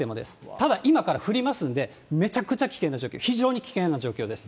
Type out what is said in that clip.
ただ、今から降りますんで、めちゃくちゃ危険な状況、非常に危険な状況です。